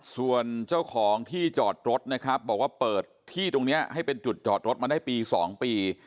ส่วนเจ้าของที่จอดรถนะครับบอกว่าเปิดที่ตรงนี้ให้เป็นจุดจอดรถมาได้ปี๒ปี